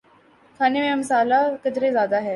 کھانے میں مصالحہ قدرے زیادہ ہے